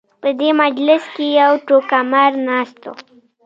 په دې مجلس کې یو ټوکه مار ناست و.